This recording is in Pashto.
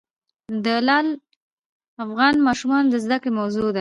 لعل د افغان ماشومانو د زده کړې موضوع ده.